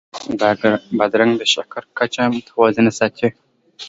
بادرنګ د شکر کچه متوازنه ساتي.